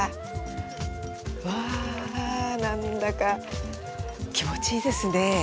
うわぁ、なんだか気持ちいいですね。